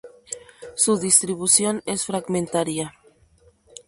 Su distribución es fragmentaria.